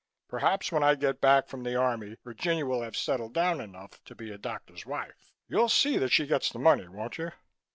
Perhaps when I get back from the Army, Virginia will have settled down enough to be a doctor's wife. You'll see that she gets the money, won't you?"